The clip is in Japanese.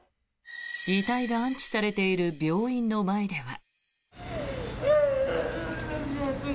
遺体が安置されている病院の前では。